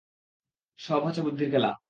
সব হচ্ছে বুদ্ধির খেলা।